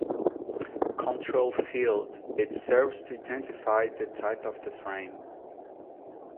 Control field - it serves to identify the type of the frame.